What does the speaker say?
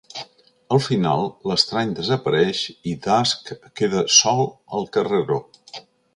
Al final, l'estrany desapareix i Dusk queda sol al carreró.